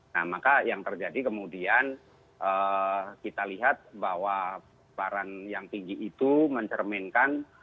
nah maka yang terjadi kemudian kita lihat bahwa barang yang tinggi itu mencerminkan